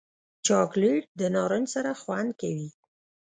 چاکلېټ د نارنج سره خوند کوي.